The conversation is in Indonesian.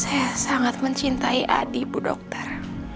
saya sangat mencintai adik bu dokter